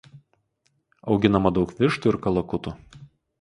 Auginama daug vištų ir kalakutų.